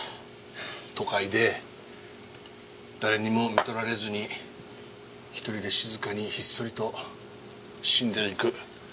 都会で誰にも看取られずに独りで静かにひっそりと死んでいく。